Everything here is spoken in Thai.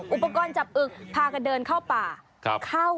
ถุงปุ้ยอุปกรณ์จับอึงพากระเดินเข้าป่า